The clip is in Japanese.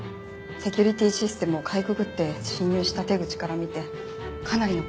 セキュリティーシステムをかいくぐって侵入した手口から見てかなりのプロです。